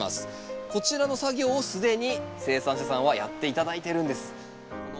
こちらの作業を既に生産者さんはやって頂いてるんです。